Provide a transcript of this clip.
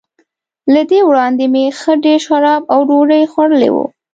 له دې وړاندي مې ښه ډېر شراب او ډوډۍ خوړلي وو.